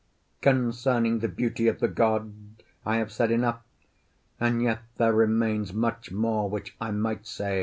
Concerning the beauty of the god I have said enough; and yet there remains much more which I might say.